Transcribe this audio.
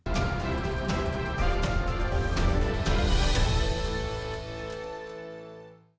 kedepannya mau fokus juga sama skateboard